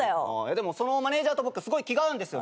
でもそのマネジャーと僕すごい気が合うんですよ